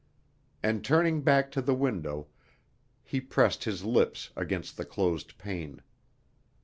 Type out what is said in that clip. And turning back to the window, he pressed his lips against the closed pane.